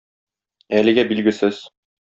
Әлегә билгесез.